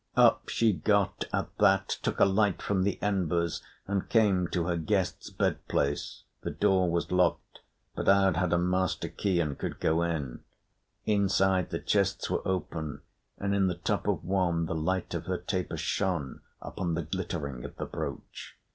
Up she got at that, took a light from the embers, and came to her guest's bed place. The door was locked, but Aud had a master key and could go in. Inside, the chests were open, and in the top of one the light of her taper shone upon the glittering of the brooch.